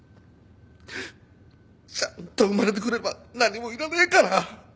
ちゃんと生まれてくれば何も要らねえから。